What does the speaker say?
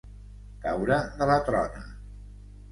Caure de la trona.